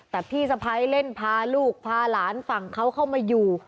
แต่พี่สะพ้ายเล่นพาลูกพาหลานฝั่งเขาเข้ามาอยู่